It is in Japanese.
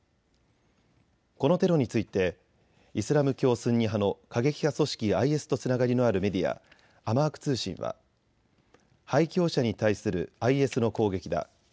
このテロについてイスラム教スンニ派の過激派組織、ＩＳとつながりのあるメディア、アマーク通信は背教者に対するＩＳの攻撃だ。